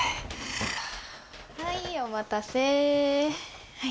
はいお待たせはい